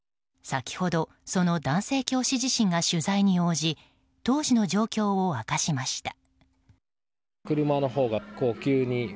先ほど、その男性教師自身が取材に応じ当時の状況を明かしました。